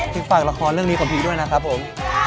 ฝากละครเรื่องนี้ของพี่ด้วยนะครับผม